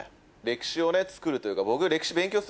歴史を作るというか僕。